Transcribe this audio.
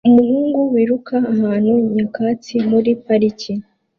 Umuhungu wiruka ahantu nyakatsi muri parike